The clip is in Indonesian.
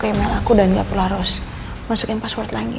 karena aku dan gak perlu harus masukin password lagi